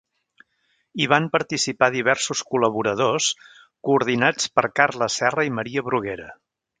Hi van participar diversos col·laboradors coordinats per Carles Serra i Maria Bruguera.